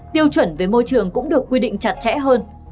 tiêu chuẩn về môi trường cũng được quy định chặt chẽ hơn